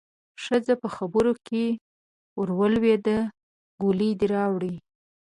ښځه په خبره کې ورولوېده: ګولۍ دې راوړې؟